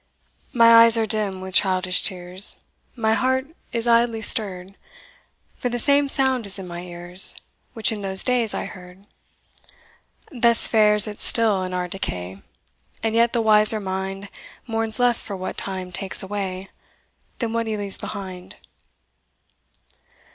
My eyes are dim with childish tears, My heart is idly stirred, For the same sound is in my ears Which in those days I heard. Thus fares it still in our decay; And yet the wiser mind Mourns less for what time takes away, Than what he leaves behind.